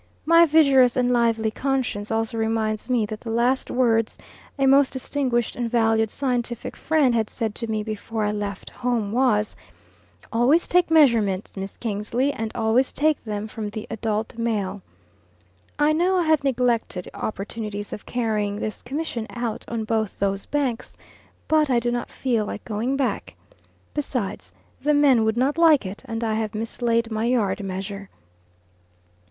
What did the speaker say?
My vigorous and lively conscience also reminds me that the last words a most distinguished and valued scientific friend had said to me before I left home was, "Always take measurements, Miss Kingsley, and always take them from the adult male." I know I have neglected opportunities of carrying this commission out on both those banks, but I do not feel like going back. Besides, the men would not like it, and I have mislaid my yard measure.